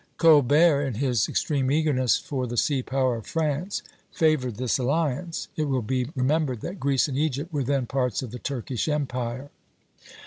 Colbert, in his extreme eagerness for the sea power of France, favored this alliance. It will be remembered that Greece and Egypt were then parts of the Turkish Empire.